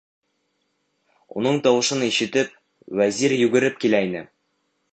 Уның тауышын ишетеп, вәзир йүгереп килеп инә: